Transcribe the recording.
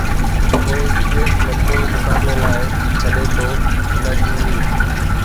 پوءِ ڪيس مجموعي مقابلي لاءِ سڏي ٿو ، نه جزوي.